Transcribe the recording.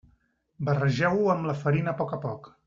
Barregeu-ho amb la farina a poc a poc.